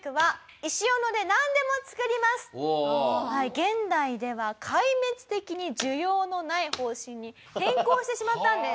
現代では壊滅的に需要のない方針に変更してしまったんです。